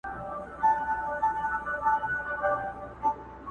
که پر سد که لېوني دي ټول په کاڼو سره ولي!.